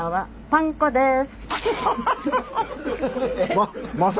パン粉です。